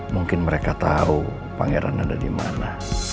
mungkin mereka tau pangeran ada dimana